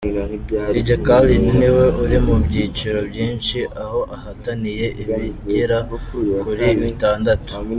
Dj Khaled ni we uri mu byiciro byinshi aho ahataniye ibigera kuri bitandatu.